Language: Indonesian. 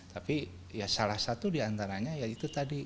tapi ya salah satu diantaranya ya itu tadi